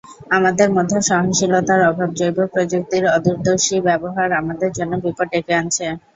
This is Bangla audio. আমাদের মধ্যে সহনশীলতার অভাব, জৈবপ্রযুক্তির অদূরদর্শী ব্যবহার আমাদের জন্য বিপদ ডেকে আনছে।